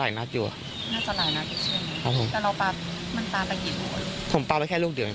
พี่แม่การทำแต่ลงแค่ลูกเดือน